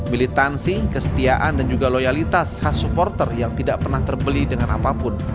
militansi kesetiaan dan juga loyalitas khas supporter yang tidak pernah terbeli dengan apapun